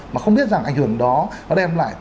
mà không biết rằng ảnh hưởng đó nó đem lại